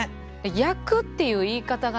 「焼く」っていう言い方がね